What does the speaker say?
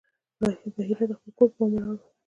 بحیرا د خپل کور پر بام ولاړ و.